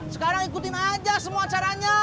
sekarang ikutin aja semua caranya